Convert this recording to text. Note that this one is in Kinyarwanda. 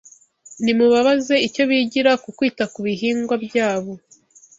nimubabaze icyo bigira ku kwita ku bihingwa byabo